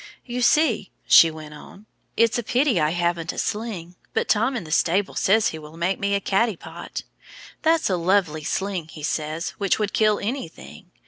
"You see," she went on, "it's a pity I haven't a sling, but Tom in the stable says he will make me a cattypot; that's a lovely sling, he says, which would kill anything.